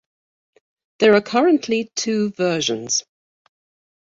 There are currently two versions.